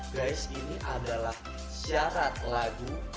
grace ini adalah syarat lagu